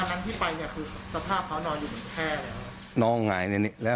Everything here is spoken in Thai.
ตอนนั้นที่ไปเนี่ยคือสภาพเขานอนอยู่หมดแค้นนะครับนอนหูอ่ายเร็วเร็ว